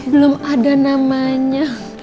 belum ada namanya